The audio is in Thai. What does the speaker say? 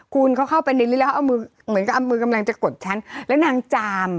คูณเขาเข้าไปนิดนึงแล้วเหมือนกับมือกำลังจะกดชั้นแล้วนางจาม